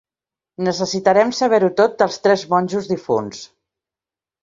Necessitarem saber-ho tot dels tres monjos difunts.